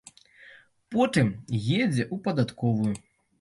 Потым едзе ў падатковую.